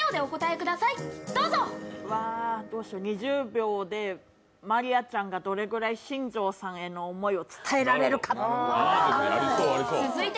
２０秒で真莉愛ちゃんがどれぐらい新庄さんへの思いを伝えられるか。